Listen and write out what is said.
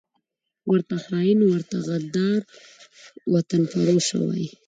ورته خاین، ورته غدار، وطنفروشه وايي